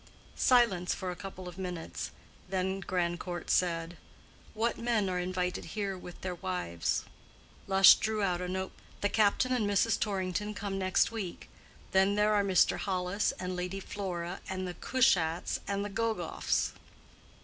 Silence for a couple of minutes. Then Grandcourt said, "What men are invited here with their wives?" Lush drew out a note book. "The Captain and Mrs. Torrington come next week. Then there are Mr. Hollis and Lady Flora, and the Cushats and the Gogoffs."